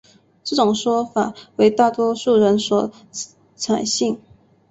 这种说法为大多数人所采信。